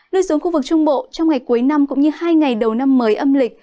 lưu xuống khu vực trung bộ trong ngày cuối năm cũng như hai ngày đầu năm mới âm lịch